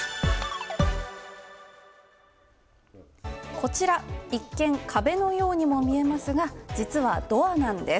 こちら、一見壁のようにも見えますが、実はドアなんです。